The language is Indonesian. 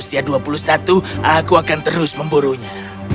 jika putramu berusia dua puluh satu aku akan terus memburunya